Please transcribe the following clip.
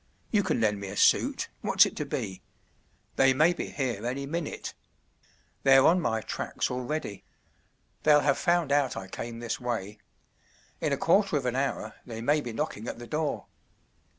You can lend me a suit—what’s it to be ? They may be here any minute. They’re on my tracks already. They’ll have found out I came this way. In a quarter of an hour they may be knocking at the door.